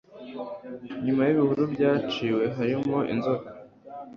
inyuma y'ibihuru byaciwe harimo izoka